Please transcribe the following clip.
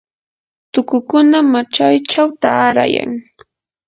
tukukuna machaychaw taarayan.